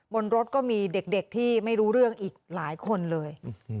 บนรถก็มีเด็กที่ไม่รู้เรื่องอีกหลายคนเลย